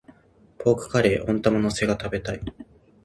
ポークカレー、温玉乗せが食べたい。